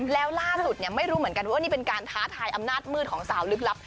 แล้วล่าสุดไม่รู้เหมือนกันว่านี่เป็นการท้าทายอำนาจมืดของสาวลึกลับ